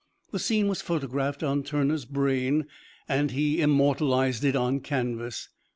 The scene was photographed on Turner's brain, and he immortalized it on canvas.